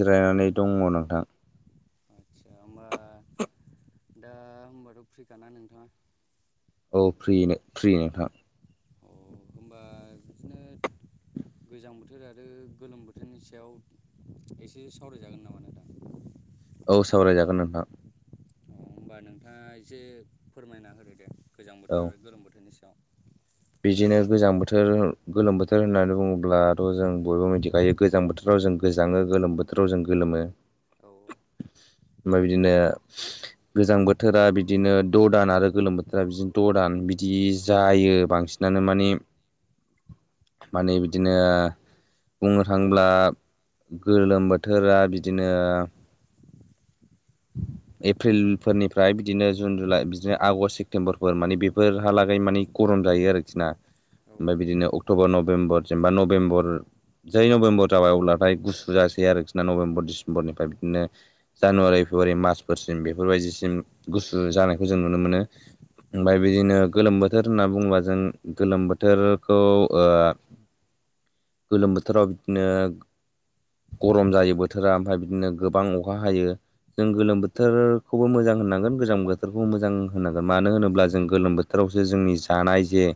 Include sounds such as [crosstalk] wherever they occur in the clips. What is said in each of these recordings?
जिरायनानै दङ नोंथां आस्सा होमबा दा होनबाथ' फ्रिखाना नोंथाङा औ फ्रि फ्रि नोंथां अ होनबा बिदिनो गोजां बोथोर आरो गोलोम बोथोरनि सायाव एसे सावरायजागोन नामा नोंथां औ सावरायजागोन नोंथां अ होमबा नोंथाङा एसे फोरमायना होदो दे गोजां औ बोथोर आरो गोलोम बोथोरनि सायाव बिदिनो गोजां बोथोर गोलोम बोथोर होननानै बुङोब्लाथ' जों बयबो मिथिखायो गोजां बोथोर बोथोराव जों गोजाङो गोलोम बोथोराव जों गोलोमो औ औ ओमफ्राय बिदिनो गोजां बोथोरा बिदिनो द' दान आरो गोलोम बोथोरा बिदिनो द' दान बिदि जायो बांसिन सिनानो माने माने बिदिनो बुंनो थाङोब्ला गोलोम बोथोरा बिदिनो [inaudible] एप्रिलफोरनिफ्राय बिदिनो जुन जुलाइ बिदिनो आगषट सेप्तेम्बरफोर मानि बेफोरहालागै माने गरम जायो आरोखि ना औ ओमफ्राय बिदिनो अक्ट'बर नभेम्बर जेनेबा नभेम्बर जै नभेम्बर जाबाय अब्लाथाय गुसु जासै आरोखिना नभेम्बर डिसेम्बरनिफ्राय बिदिनो औ उम जानुवारि फेब्रुवारि मार्चफोरसिम बेफोरबायदिसिम गुसु जानायखौ जों नुनो मोनो। ओमफ्राय बिदिनो गोलोम बोथोर होनना बुङोबा जों गोलोम बोथोरखौ ओ गोलोम बोथोराव बिदिनो गरम जायो बोथोरा ओमफ्राय बिदिनो गोबां अखा हायो। जों औ गोलोम बोथोरखौबो मोजां होननांगोन गोजां बोथोरखौबो मोजां होननांगोन मानो होनोब्ला जों गोलोम बो थोरावसो जोंनि जानाय जे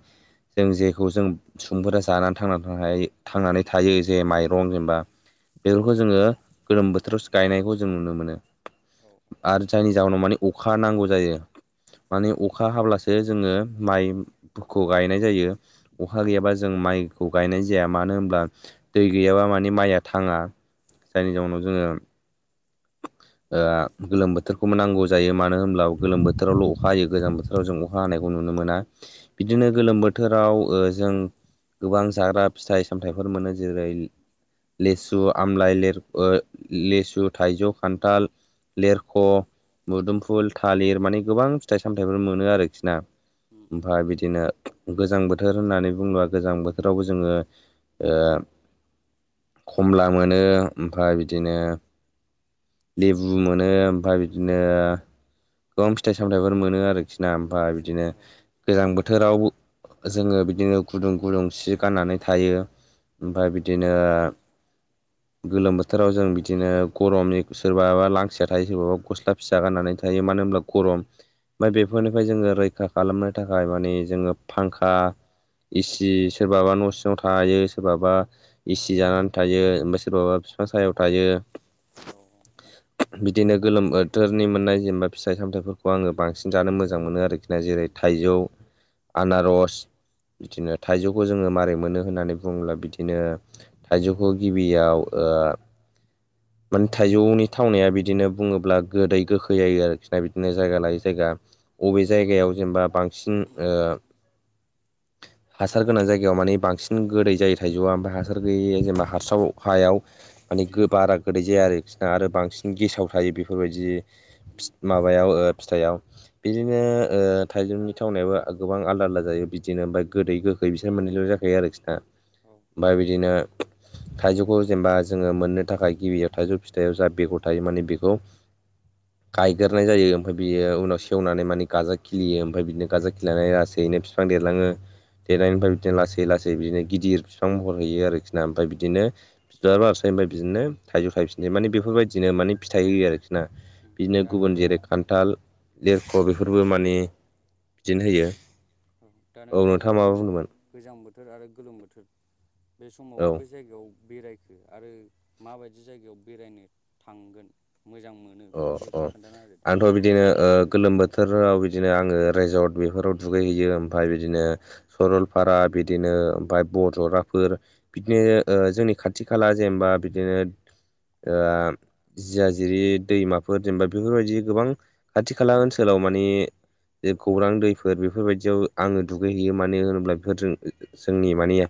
जों जेखौ जों सुबुंफोरा जानानै थांनानै थानाय थांनानै थायो जे माइरं जेनबा बेफोरखौ जोङो गोलोम बोथोरावसो गायनायखौ जों नुनो मोनो। औ आरो जायनि जावोनाव माने अखा नांगौ जायो। माने अखा हाब्लासो जोङो माइफोरखौ गायनाय जायो। औ अखा गैयाब्ला जों माइखौ गायनाय जाया मानो होनब्ला दै गैयाबा माने माइया थाङा औ जायनि जाउनाव जोङो ओ गोलोम बोथोरखौबो नांगौ जायो मानो होनब्ला गोलोम बोथोरावल' अखा हायो गोजां बो थोरावजों अखा हानायखौ नुनो मोना बिदिनो गोलोम बोथोराव ओ जों गोबां जाग्रा फिथाइ सामथाइफोर मोनो जेरै लेसु आमलाइ लेर ओ लेसु थाइजौ खान्थाल लेरख' औ मुदुमफुल थालिर माने गोबां फिथाइ सामथाइफोर मोनो आरोखिना? उम उम ओमफ्राय बिदिनो गोजां बोथोर होननानै बुंबा गोजां बोथोरावबो जोङो ओ खमला मोनो ओमफ्राय बिदिनो लेबु मोनो ओमफ्राय बिदिनो गोबां फिथाइ औ सामथाइफोर मोनो आरोखि ना ओमफ्राय बिदिनो औ उम औ गोजां बोथोराव जोङो बिदिनो गुदुं गुदुं सि गाननानै थायो। ओमफ्राय बिदिनो गोलोम बोथोराव जों बिदिनो गरमनि सोरबाबा लांथिया थायो सोरबाबा गस्ला फिसा गाननानै थायो मानो ओमब्ला गरम। ओठमफ्राय बेफोरनिफ्राय जोङो रैखा खालामनो थाखाय माने जोङो फांखा एसि सोरबाबा न' सिङाव थायो सोरबाबा एसि जानानै थायो ओमफ्राय सोरबाबा बिफां सायाव थायो। औ औ [inaudible] बिदिनो गोलोम बोथोरनि मोननाय जेनबा फिथाइ सामथाइफोरखौ आङो बांसिन जानो मोजां मोनो आरोखि ना जेरै थाइजौ आनारस बिदिनो थाइजौखौ जोङो माबारै मोनो होननानै बुङोब्ला बिदिनो थाइजौखौ गिबियाव ओ माने थाइजौनि थावनाया बिदिनो बुङोब्ला गोदै गो खै जायो आरोखिना बिदिनो जायगा लायै जायगा। अबे जायगायाव जेनेबा बांसिन ओ हासार गोनां जायगायाव माने बांसिन गोदै जायो थाइजौआ ओमफाय हासार गैयि औ उम औ जेनबा हारसाव हायाव माने बारा गोदै जाया आरोखिरना आरो बांसिन औ गेसाव थायो बेफोरबायदि फि उम माबायाव फिथाइयाव। बिदिनो ओ थाइजौनि थावनायाबो गोबां आलदा आलदा जायो बिदिनो ओमफ्राय गोदै गो खै बिसोरना मोननै ज' जाखायो आरोखिना औ बा बिदिनो थाइजौखौ जेनबा जोङो मोननो थाखाय गिबियाव थाइजौ फिथाइयाव जा बेगर थायो माने बेखौ गायग्रोनाय जायो ओमफ्राय बियो उनाव उम सेवनानै माने गाजा खिलियो ओमफ्राय बिदिनो गारजा खिलिनानै लासैनो बिफां देरलाङो देरनायनि देरलाङो औ ओमफ्राय बिदिनो लासै ला सै बिदिनो गिदिर बिफां महर हैयो आरोखिना ओमफ्राय बिदिनो बिबारसै ओफ्राय बिदिनो थाइजौ थायफिननो माने बेफोरबायदिनो माने फिथाइ औ होयो आरोखि ना होयो आरो बिदिनो दा गुबुन नोंथाङा जेरै खान थाल लेरख' बेफोरबो माने बिदिनो होयो। औ दा नोंथांङा नोंथाङा बिदिनो माबा बुंदोंमोन गोजां बोथोर आरो गोलोम बोथोर बे औ समाव बे जायगायाव बेरायखो आरो माबायदि जायगायाव बेरायनो थांगोन मोजां मोन नो बेफोरखौ एसे खोन्थाना होदो ओ बिदिनो गोलोम बोथोराव बिदिनो आंङो रेजर्ट बेफोराव दुगैहैयो ओमफाय बिदिनो सरलपारा बिदिनो ओमफाय बजराफोर बिदिनो औ ओ जोंनि खा खाथि खाला जेनेबा बिदिनो ओ जिया जिरि दैमाफोर जेनेबा बेफोरबायदि गोबां खाथि खाला ओनसोलाव माने ज गौरां दैफोर बेफोरबायदियाव आंङो दुगैहैयो मानो होनोब्ला बेफोरजों जोंनि माने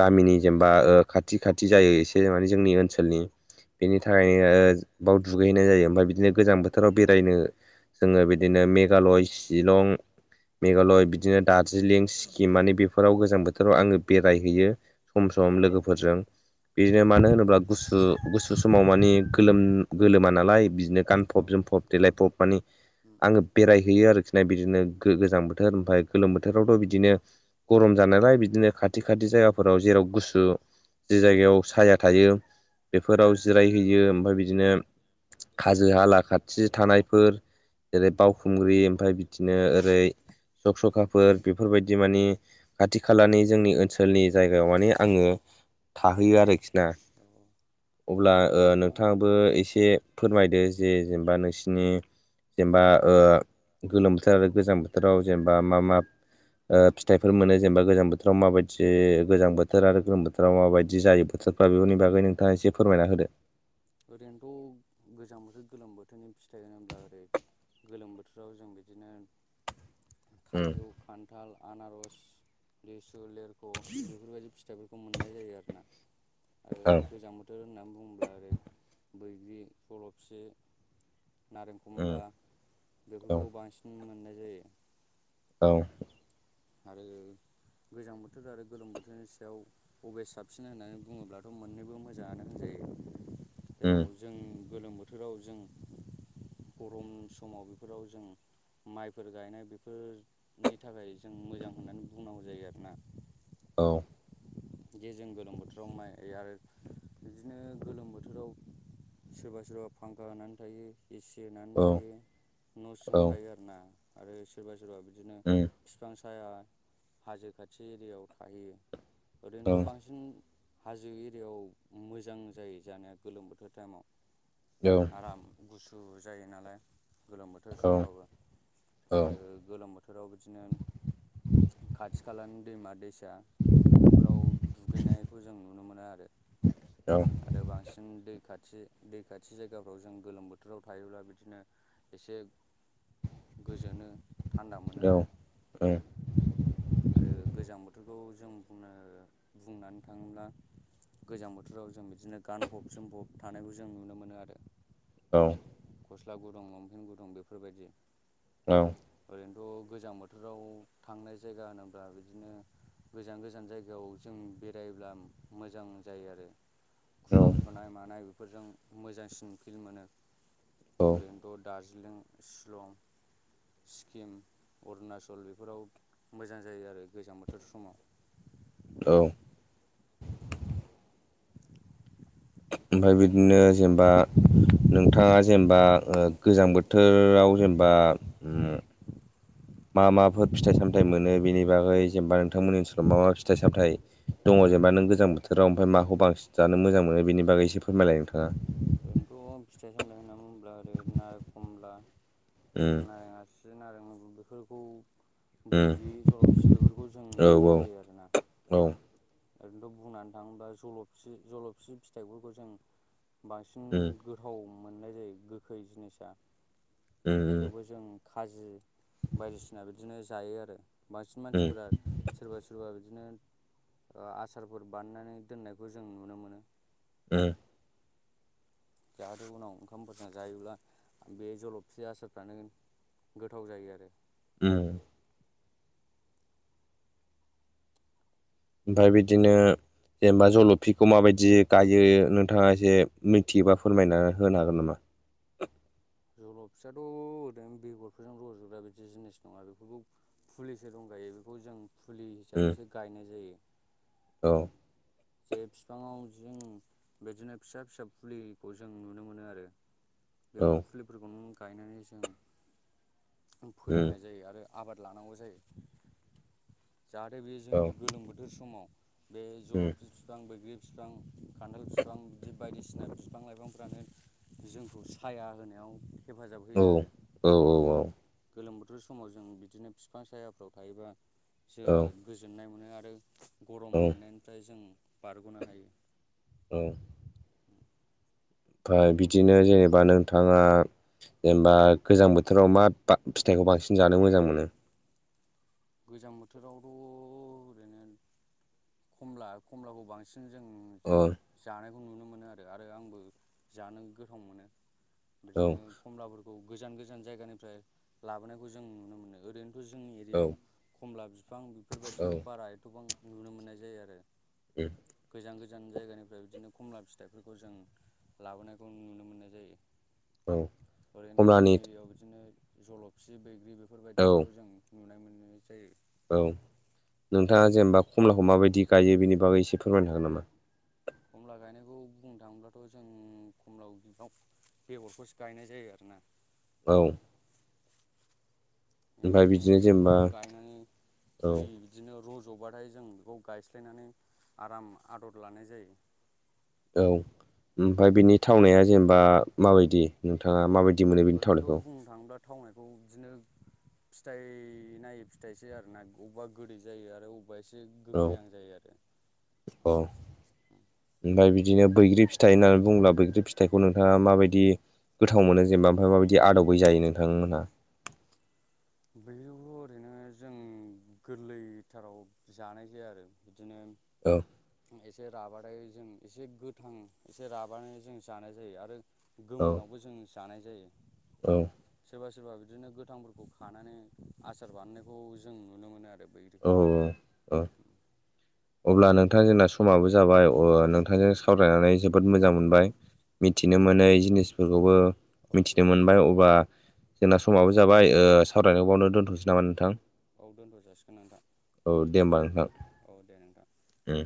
गामिनि जेनेबा ओ खाथि खाथि जायो एसे माने जोंनि ओनसोलनि बेनि थाखायनो बाव दुगैहैनाय जायो ओमफ्राय बिदिनो उम गोजां औ उम बोथोराव बेरायनो जोंङो बिदिनो मेघालय शिलं मेघालय बिदिनो दार्जिलिं सिक्किम माने बेफोराव गोजां बोथोराव आंङो बेरायहैयो सम औ सम औ लोगोफोरजों बिदिनो मानो होनोब्ला गुसु गुसु समाव माने गोलोम गोलोमा नालाय बिदिनो गानफब औ जोमफब देलायफब माने उम उम आंङो बेरायहैयो आरोखि न बिदिनो गो गोजां बोथोर ओमफ्राय गोलोम बोथोरावथ' बिदिनो गरम जानायलाय बिदिनो खाथि खाथि जायगाफोराव जेराव गुसु जि जायगायाव साया थायो बेफोराव जिरायहैयो औ ओमफ्राय बिदिनो हाजो हाला खाथि थानायफोर जेरै बावउखुंग्रि ओमफ्राय बिदिनो ओरै सख सखाफोर बेफोरबायदि माने खाथि खालानि जोंनि ओनसोलनि जायगायाव माने आंङो थाहैयो आरोखि ना आरोखि औ अब्ला होमबा ओ नोंथां नोंथांङाबो एसे एसे फोरमायदो जे जेनेबा नोंसिनि जेनेबा औ गोलोम बोथोर आरो गोजां बोथोराव जेनेबा मा मा ओ फिथाइफोर मोनो जेनेबा गोजां बोथोराव माबायदि गोजां बोथोर आरो गोलोम बोथोराव माबायदि जायो बोथोर बेनि औ बागै नोंथांङा एसे फोरमायना होदो ओरैनोथ' गोजां बोथोर गोलोम बोथोरनि फिथाइ होनोब्ला ओरै गोलोम बोथोराव जों बिदिनो उम थाइजौ खान्थाल आनारस लेसु लेर ख बेफोरबायदि फिथाइफोरखौ मोननाय जायो आरोना आरो औ गोजां बोथोर बोथोर होनना बुंङोब्ला आरो बैग्रि जलफि नारें उम खमला औ बेफोरखौ बांसिन मोननाय जायो औ आरो गोजां बोथोर आरो गोलोम बोथोरनि सायाव बबे साबसिन होननानै बुंङोब्लाथ' मोननैबो मोजांङानो होनजायो उम जेराव जों गोलोम बोथोराव जों गरम समाव बेफोराव जों माइफोर गायनाय बेफोरनि थाखाय जों मोजां होननानै बुंनांगौ जायो आरोना औ जे जों गोलोम बोथोराव माइ आरो बिदिनो गोलोम बोथोराव सोरबा सोरबा फांखा होनानै थायो एसे होननानै औ थायो न' औ सिङाव थायो आरोना आरो सोरबा सोरबा बिदिनो उम बिफां साया हाजो खाथि एरियायाव थाहैयो औ ओरैनोथ' बांसिन हाजो एरियायाव मोजां जायो जानाया गोलोम बोथोर टाइमाव औ आराम गुसु जायो नालाय गोलोम बोथोर औ उम औ समबाबो आरो गोलोम बोथोर बोथोराव बिदिनो खाथि खालानि दैमा दैसा बेफोराव दुगैनायखौ जों नुनो मोनो आरो औ आरो बांसिन दै खाथि दै खाथि जायगाफ्राव जों गोलोम बोथोराव थायोब्ला बिदिनो एसे गोजोनो थान्दा मोनो आरो [inaudible] आरो गोजां बोथोरखौ जों बुंनो बुंनानै थाङोब्ला गोजां बोथोराव जों बिदिनो गानफब जोमफब थानायखौ जों नुनो मोनो आरो औ गस्ला गुदुं लंफेन गुदुं बेफोरबायदि औ ओरैनोथ' गोजां बोथोराव थांनाय जायगा होनोब्ला बिदिनो गोजान गोजान जायगायाव जों बेरायब्ला मोजां जायो आरो खुवा खुनाय मानाय बेफोरजों मोजांसिन फिल मोनो औ ओरैनो ट' दार्जिलिं शिलं सिक्किम अरुणचल [unintelligible] बेफोराव मोजां जायो आरो गोजां बोथोर समाव औ‌ [inaudible] ओमफ्राय बिदिनो जेनेबा नोंथाङा जेनेबा गोजां बोथोराव जेनेबा मा माफोर फिथाइ सामथाइ मोनो बेनि बागै जेनेबा नोंथांमोननि ओनसोलाव मा मा फिथाइ सामथाय दङ जेनेबा नों गोजां बोथोराव ओमफ्राय माखौ बांसिन जानो मोजां मोनो बेनि बागै एसे फोरमायलाय नोंथाङा ओरैनोथ' फिथाइ सामथथाय होनना बुोब्ला ओरै नारें खमला उम नारें आसि नारें मगं बेफोरखौ बैग्रि जलफि बेफोरखौ जों मोननाय उम जायो आरोना औ उम ओरैनोथ' बुंनानै थाङोब्ला जलफि जलफि फिथाइफोरखौ जों बांसिन गोथाव मोननाय जायो गोखै जिनिसा उम थेवबो जों खाजि बायदिसिना बिदिनो जायो आरो बांसिन मानसिफोरा सोरबा सोरबा बिदिनो आसारफोर बानायनानै दोननायखौ जों नुनो मोनो ओ ज जादों उनाव ओंखामफोरजों जायोब्ला बे जलफि आसारफ्रानो गोथाव जायो आरो ओम ओमफ्राय बिदिनो जेनेबा जल फिखौ माबायदि गायो नोंथाङा एसे मिथियोबा फोरमायनानै होनो हागोन नामा जल' फिसाथ' ओरैनो बेगरफोरजों रजोबग्रा बिदि जिनिस नङा बेफोरखौ फुलिसो दं गायो बेखौ जों फुलि उम हिसाबैसो गायनाय जायो औ जे बिफाङाव जों बिदिनो फिसा फिसा फुलिखौ जों नुनो मोनो आरो बेफोर औ फुलिफोरखौ नों गायनानै जों उम फोदांनाय जायो आरो आबाद लानांगौ जायो जाहाथे बे औ जोंनि गोलोम बोथोर समाव बे उम जलफ बिफां बैग्रि बिफां खान्थाल बिफां बिदि बायदिसिना बिफां लाइफांफ्रानो जोंखौ साया होनायाव हेफाजाब होयो औ आरो औ औ गोलोम बोथोर समाव जों बिदिनो बिफां सायाफ्राव थायोबा औ जोहा गोजोननाय मोनो आरो गरम औ मोननायनिफ्राय जों बारग'नो हायो औ ओमफ्राय बिदिनो जेनेबा नोंथाङा जेनेबा गोजां बोथोराव मा फिथाइखौ बांसिन जानो मोजां मोनो गोजां बोथोरावथ' ओरैनो खमला खमलाखौ बांसिन जों अ जानायखौ नुनो मोनो आरो आरो आंबो जानो गोथाव मोनो औ बिदिनो खमलाफोरखौ गोजान गोजान जायगानिफ्राय लाबोनायखौ जों नुनो मोनो ओरैनोथ' जोंनि औ एरियायाव खमला बिफां औ बेफोरबायदिखौ बारा एथ'बां नुनो मोननाय जायो आरो गोजान गोजान जायगानिफ्राय बिदिनो खमला फिथाइफोरखौ जों लाबोनायखौ नुनो मोननाय जायो औ ओरैनोथ' खमलानि जोंनि एरियायाव बिदिनो जलफसि बैग्रि औ बेफोरबायदिखौ जों नुनाय मोननाय जायो औ नोंथाङा जेनेबा खमलाखौ माबायदि गायो बेनि बागै एसे फोरमायनो हागोन नामा खमला गायनायखौ बुंनो थाङोब्लाथ' जों खमला बिबां बेगरखौसो गायनाय जायो आरोना औ ओमफ्राय बिदिनो बेगरखौ जेनेबा गायनानै औ फुलि बिदि बिदिनो रज'बाथाय जों बेखौ गायस्लायनानै आराम आदर लानाय जायो औ ओमफ्राय बिनि थावनाया जेनेबा माबायदि नोंथाङा माबायदि मोनो बेनि ओरैनोथ' थावनायखौ बुंनो थाङोब्ला थावनायखौ बिदिनो फिथाइ नायो फिथाइसो आरो ना अबेबा गोदै जायो आरो अबेबा अबेबा एसे औ गोखैहां जायो आरो अ [unintelligible] ओमफ्राय बिदिनो बैग्रि फिथाइ होननानै बुङोब्ला बैग्रि फिथाइखौ नोंथाङा माबायदि गोथाव मोनो जेनेबा ओमफ्राय माबायदि आदबै जायो नोंथांमोनहा बैग्रिखौ ओरैनो जों गोरलैथाराव जानाय जाया आरो बिदिनो औ एसे राबाथाय जों एसे गोथां एसे राबानो जों जानाय जायो आरो औ गोमोनावबो जों जानाय जायो। औ सोरबा सोरबा बिदिनो गोथांफोरखौ खानानै आसार बानायनायखौ जों नुनो मोनो आरो बैग्रिखौ औ औ अब्ला नोंथां जोंना समाबो जाबाय नोंथांजों सावरायनानै जोबोद मोजां मोनबाय मिथिनो मोनै जिनिसफोरखौबो औ मिथिनो मोनबाय अब्ला जोंना समाव जाबाय सावरायनो बावनो दोनथ'सै नामा नोंथां औ दोनथ' जासिगोन नोंथां औ दे होमबा नोंथां औ दे नोंथां उम